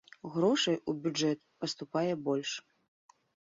Грошай у бюджэт паступае больш.